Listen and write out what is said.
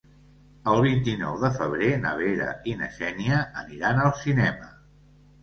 El vint-i-nou de febrer na Vera i na Xènia aniran al cinema.